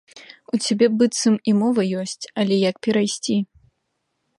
У цябе быццам і мова ёсць, але як перайсці?